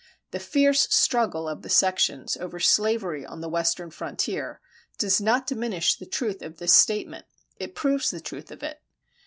The fierce struggle of the sections over slavery on the western frontier does not diminish the truth of this statement; it proves the truth of it.